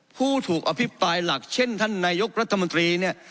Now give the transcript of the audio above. ผู้ถูกอภิปรายหลักเช่นท่านนายกรัฐมนตรีเนี่ย